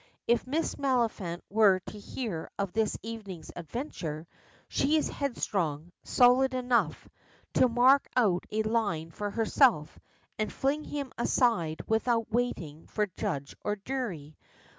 If Miss Maliphant were to hear of this evening's adventure, she is headstrong, stolid enough, to mark out a line for herself and fling him aside without waiting for judge or jury.